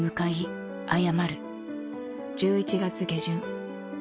１１月下旬